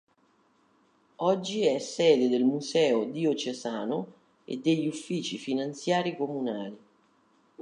Oggi è sede del Museo diocesano e degli uffici finanziari comunali.